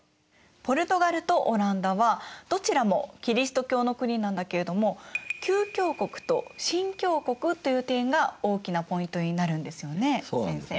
ポルトガルとオランダはどちらもキリスト教の国なんだけれども旧教国と新教国という点が大きなポイントになるんですよね先生。